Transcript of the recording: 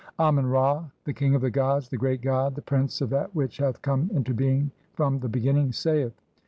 Amen Ra, the king of the gods, the great god, the prince of that which hath come into being from the beginning, saith :— CXCIV INTRODUCTION.